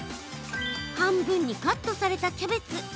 半分にカットされたキャベツ。